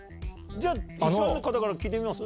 じゃあ１番の方から聞いてみます？